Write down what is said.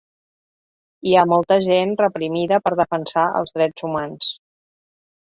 Hi ha molta gent reprimida per defensar els drets humans.